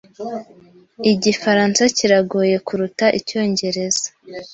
Igifaransa kiragoye kuruta Icyongereza?